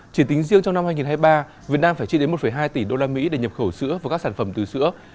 chỉ tính riêng trong năm hai nghìn hai mươi ba việt nam phải chi đến một hai tỷ usd để nhập khẩu sữa và các sản phẩm từ sữa